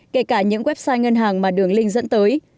kể cả những website ngân hàng mà đường link dẫn tới